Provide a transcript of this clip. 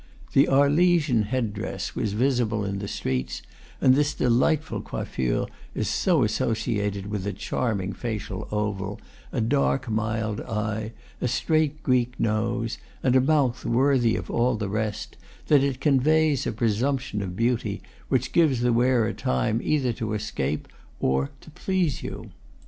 The Arlesian head dress, was visible in the streets; and this delightful coiffure is so associated with a charming facial oval, a dark mild eye, a straight Greek nose, and a mouth worthy of all the rest, that it conveys a presumption of beauty which gives the wearer time either to escape or to please you.